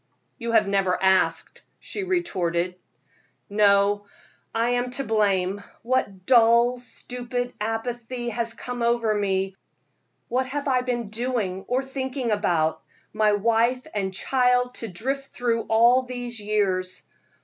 "You have never asked," she retorted. "No, I am to blame. What dull, stupid apathy has come over me? What have I been doing or thinking about? My wife and child to drift through all these years.